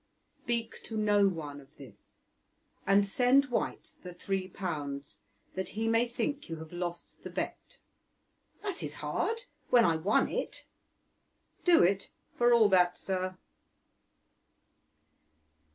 "Speak to no one of this, and send White the three pounds, that he may think you have lost the bet." "That is hard, when I won it." "Do it, for all that, sir."